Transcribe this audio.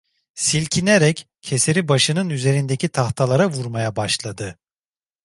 Silkinerek, keseri başının üzerindeki tahtalara vurmaya başladı.